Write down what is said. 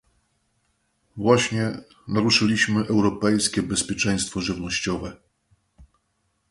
Właśnie naruszyliśmy europejskie bezpieczeństwo żywnościowe